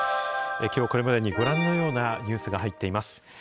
きょう、これまでにご覧のようなニュースが入っています。